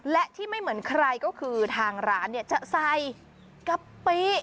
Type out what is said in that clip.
และที่ไม่เหมือนใครก็คือทางร้านจะใส่กะปิ